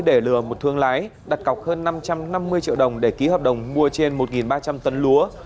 để lừa một thương lái đặt cọc hơn năm trăm năm mươi triệu đồng để ký hợp đồng mua trên một ba trăm linh tấn lúa